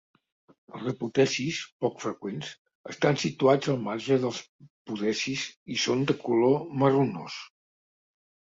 Els apotecis, poc freqüents, estan situats al marge dels podecis i són de color marronós.